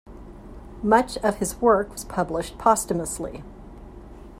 Much of his work was published posthumously.